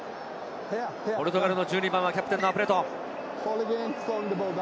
ポルトガルの１２番はキャプテンのアプレトン。